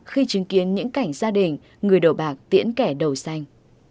khi chứng kiến những cảnh gia đình người đồ bạc tiễn kẻ đầu xanh